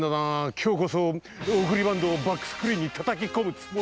きょうこそおくりバントをバックスクリーンにたたきこむつもりだったがなハハハッ。